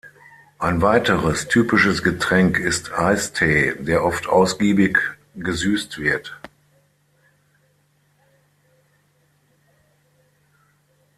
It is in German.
Ein weiteres typisches Getränk ist Eistee, der oft ausgiebig gesüßt wird.